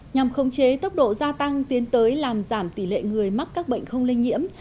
nhằm khống chế tốc độ gia tăng tiến tới làm giảm tỷ lệ người mắc các bệnh không lây nhiễm